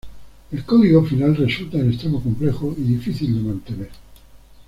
El código final resulta en extremo complejo y difícil de mantener.